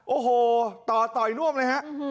โอ้โหต่อยน่วมนะฮะ